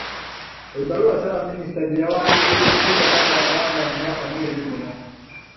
Ebbaluwa Ssaabaminisita gye yawandiikidde Sipiika Kadaga nga nnya, omwezi guno